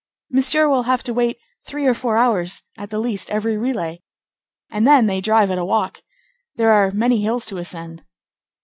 Monsieur will have to wait three or four hours at the least at every relay. And, then, they drive at a walk. There are many hills to ascend."